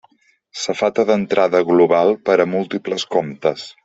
Safata d'entrada global per a múltiples comptes.